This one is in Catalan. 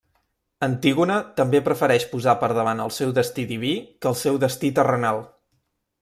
Antígona també prefereix posar per davant el seu destí diví que el seu destí terrenal.